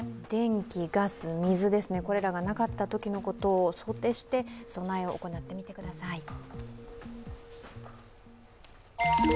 電気、ガス、水がなかったときのことを想定して備えを行ってみてください。